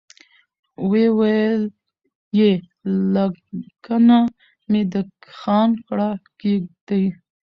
وويل يې لکڼه مې د خان کړه کېږدئ.